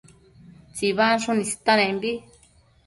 tsibansshun istanembi